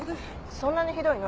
そんなにひどいの？